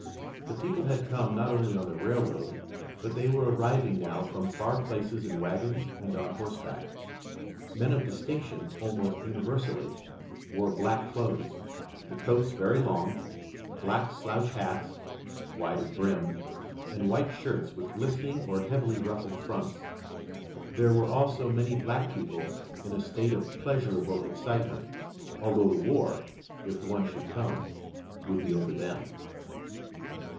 The people had come not only on the railroad, but they were arriving now from far places in wagons and on horseback. Men of distinction, almost universally, wore black clothes, the coats very long, black slouch hats, wide of brim, and white shirts with glistening or heavily ruffled fronts. There were also many black people in a state of pleasurable excitement, although the war if one should come would be over them.